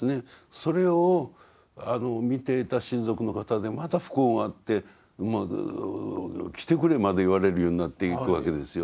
それを見ていた親族の方でまた不幸があって来てくれまで言われるようになっていくわけですよ。